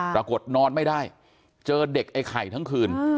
นอนไม่ได้เจอเด็กไอ้ไข่ทั้งคืน